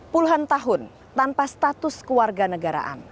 puluhan tahun tanpa status keluarga negaraan